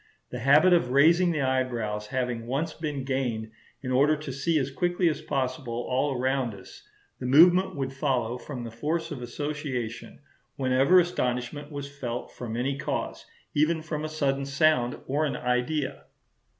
The habit of raising the eyebrows having once been gained in order to see as quickly as possible all around us, the movement would follow from the force of association whenever astonishment was felt from any cause, even from a sudden sound or an idea.